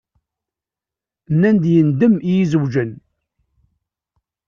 Nan-d yendem i izewǧen.